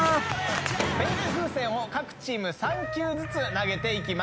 ペンキ風船を各チーム３球ずつ投げていきます。